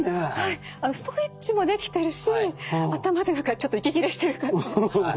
あのストレッチもできてるしあったまって何かちょっと息切れしてる感じです。